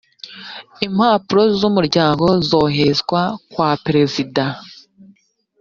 impapuro zumuryango zoherezwa kwa perezida